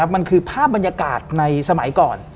มันคือภาพบรรยากาศในสมัยก่อน